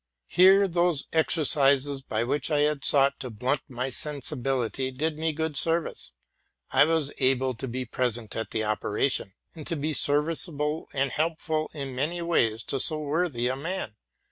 Here those exercises by which I had sought to blunt my sensibility did me good service: I was able to be present at the operation, and to be serviceable and helpful in many ways toso worthyaman.